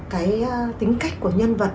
cái tính cách của nhân vật